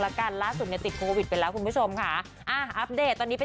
แล้วกันล่าสุดเนี่ยติดโควิดไปแล้วคุณผู้ชมค่ะอ่าอัปเดตตอนนี้เป็น